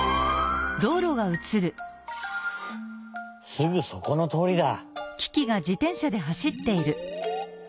すぐそこのとおりだ。